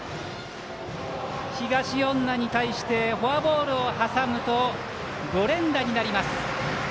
東恩納に対してフォアボールを挟むと５連打になります。